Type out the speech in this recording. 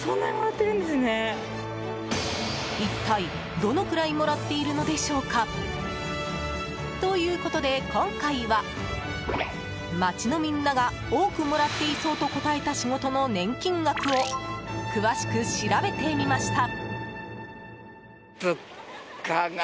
一体、どのくらいもらっているのでしょうか？ということで、今回は街のみんなが多くもらっていそう！と答えた仕事の年金額を詳しく調べてみました。